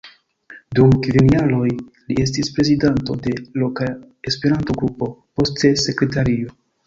Dum kvin jaroj li estis prezidanto de loka Esperanto-Grupo, poste sekretario.